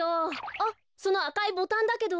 あっそのあかいボタンだけど。